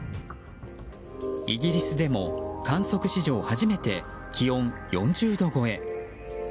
イギリスでも観測史上初めて気温４０度超え。